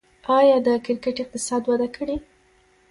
آیا د کرکټ اقتصاد وده کړې؟